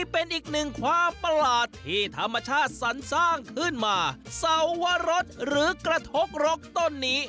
เป็นอีกหนึ่งความประหลาดที่ธรรมชาติสรรสร้างขึ้นมาสวรสหรือกระทบรกต้นนี้